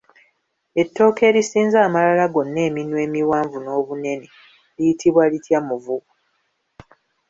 Ettooke erisinza amalala gonna eminwe emiwanvu n’obunene liitibwa litya muvubo.